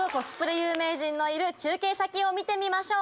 有名人のいる中継先を見てみましょう。